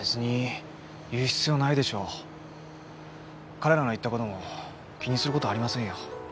彼らの言った事も気にする事ありませんよ。